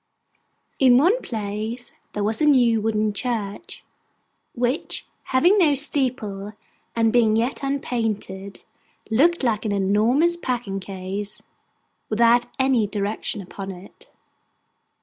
In one place, there was a new wooden church, which, having no steeple, and being yet unpainted, looked like an enormous packing case without any direction upon it.